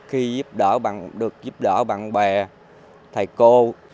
khi được giúp đỡ bạn bè thầy cô